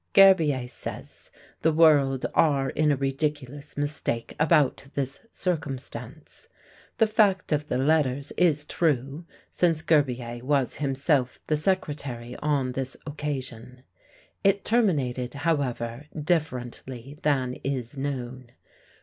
Gerbier says, the world are in a ridiculous mistake about this circumstance. The fact of the letters is true, since Gerbier was himself the secretary on this occasion. It terminated, however, differently than is known.